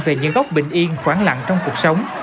về những góc bình yên khoáng lặng trong cuộc sống